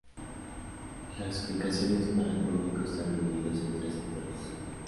Las ubicaciones para el público están divididos en tres sectores.